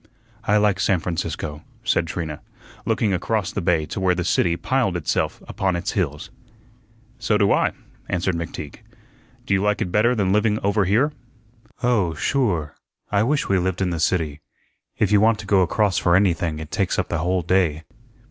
"I like San Francisco," said Trina, looking across the bay to where the city piled itself upon its hills. "So do I," answered McTeague. "Do you like it better than living over here?" "Oh, sure, I wish we lived in the city. If you want to go across for anything it takes up the whole day."